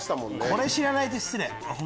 これ知らないと失礼。